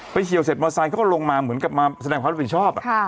เฉียวเสร็จมอไซค์เขาก็ลงมาเหมือนกับมาแสดงความรับผิดชอบ